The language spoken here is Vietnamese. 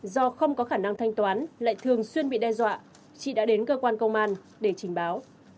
do không có khả năng thanh toán lại thường xuyên bị đe dọa chị đã đến cơ quan công an để trình báo